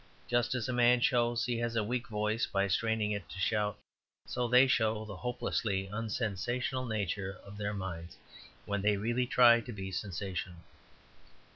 just as a man shows he has a weak voice by straining it to shout, so they show the hopelessly unsensational nature of their minds when they really try to be sensational.